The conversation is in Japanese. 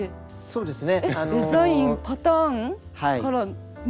そうですね。